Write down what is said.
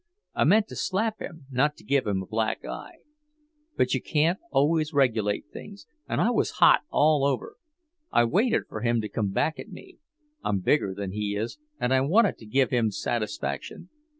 I meant to slap him, not to give him a black eye. But you can't always regulate things, and I was hot all over. I waited for him to come back at me. I'm bigger than he is, and I wanted to give him satisfaction.